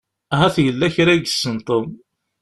Ahat yella kra i yessen Tom.